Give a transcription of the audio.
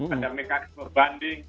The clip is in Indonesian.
ada mekanisme banding